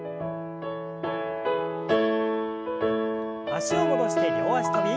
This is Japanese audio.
脚を戻して両脚跳び。